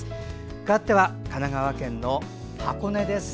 かわっては、神奈川県の箱根です。